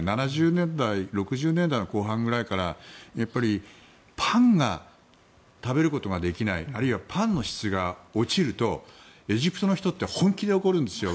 ７０年代６０年代の後半ぐらいからパンを食べることができないあるいはパンの質が落ちるとエジプトの人って本気で怒るんですよ。